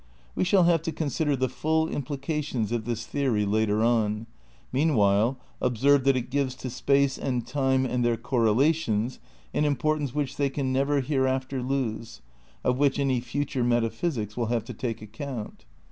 We shall have to consider the full implications of this theory later on; meanwhile, observe that it gives to space and time and their cor relations an importance which they can never here after lose, of which any future metaphysics will have to take account.